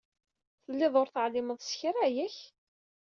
Telliḍ ur teɛlimeḍ s kra, yak?